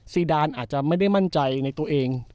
ซีดานอาจจะไม่ได้มั่นใจในตัวเอง